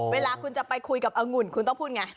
เวลาคุณจะไปคุยกับองุ่นคุณต้องพูดไง